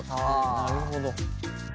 なるほど。